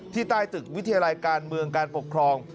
ใต้ตึกวิทยาลัยการเมืองการปกครอง